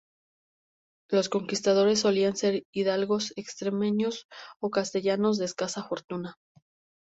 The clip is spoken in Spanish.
Los conquistadores solían ser hidalgos extremeños o castellanos de escasa fortuna.